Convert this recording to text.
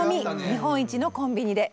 “日本一”のコンビニで」。